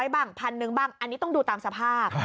บ้างพันหนึ่งบ้างอันนี้ต้องดูตามสภาพ